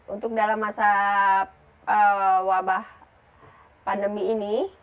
untuk dalam masa wabah pandemi ini